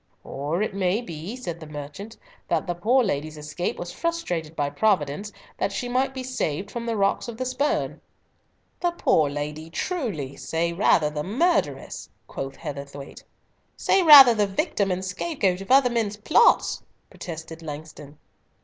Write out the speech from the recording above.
"Or it may be," said the merchant, "that the poor lady's escape was frustrated by Providence, that she might be saved from the rocks of the Spurn." "The poor lady, truly! Say rather the murtheress," quoth Heatherthwayte. "Say rather the victim and scapegoat of other men's plots," protested Langston.